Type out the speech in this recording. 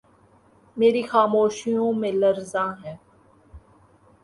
میری خاموشیوں میں لرزاں ہے